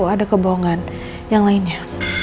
ada kebohongan yang lainnya